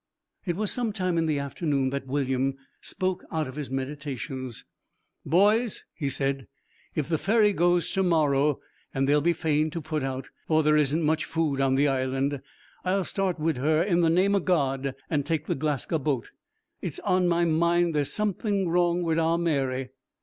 It was some time in the afternoon that William spoke out of his meditations. 'Boys,' he said, 'if the ferry goes to morrow, and they'll be fain to put out, for there isn't much food on the Island, I'll start wid her in the name of God, and take the Glasga' boat. It's on my mind there's something wrong wid our Mary.'